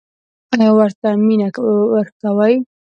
ایا ورته مینه ورکوئ؟